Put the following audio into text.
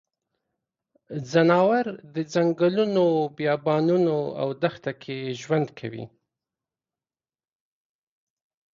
ځناور د ځنګلونو، بیابانونو او دښته کې ژوند کوي.